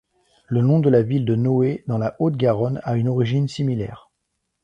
Le nom de la ville de Noé dans la Haute-Garonne a une origine similaire.